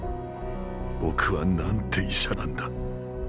僕はなんて医者なんだ。